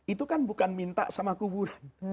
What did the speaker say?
itu kan bukan minta sama kuburan